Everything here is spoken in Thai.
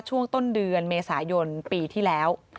ช่วงต้นเดือนเมษายนปีที่แล้ว